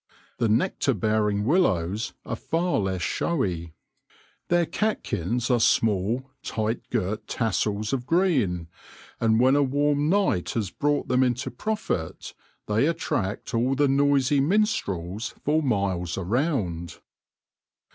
The nectar bearing willows are far less showy. Their i6o THE LORE OF THE HONEY BEE catkins are small, tight girt tassels of green, and when a warm night has brought them into profit, they attract all the noisy minstrels for miles round.